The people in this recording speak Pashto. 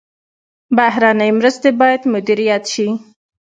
بهرنۍ مرستې باید مدیریت شي